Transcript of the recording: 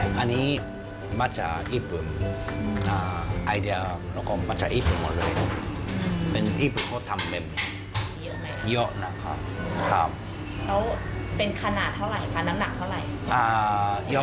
แล้วเป็นขนาดเท่าไหร่ค่ะน้ำหนักเท่าไหร่